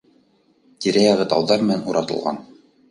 Тирә-яғы тауҙар менән уратылған